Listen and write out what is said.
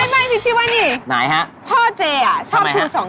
ไม่พี่ชิวะนี่พ่อเจ๊ชอบชู๒นิ้วไหนฮะ